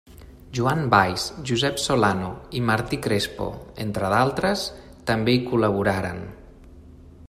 Joan Valls, Josep Solano i Martí Crespo, entre d’altres, també hi col·laboraran.